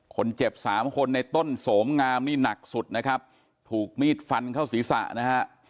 คนเจ็บสามคนในต้นโสมงามนี่หนักสุดนะครับถูกมีดฟันเข้าศีรษะนะฮะ